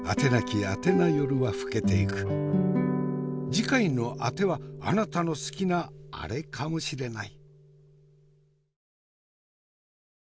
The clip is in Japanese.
次回のあてはあなたの好きなアレかもしれない。